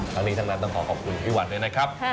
ทั้งนี้ทั้งนั้นต้องขอขอบคุณพี่วันด้วยนะครับ